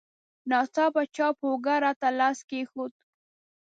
ناڅاپه چا په اوږه راته لاس کېښود.